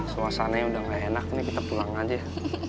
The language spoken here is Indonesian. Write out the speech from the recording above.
suasananya udah gak enak nih kita pulang aja